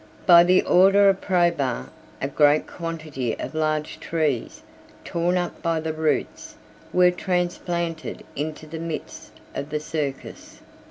85 By the order of Probus, a great quantity of large trees, torn up by the roots, were transplanted into the midst of the circus.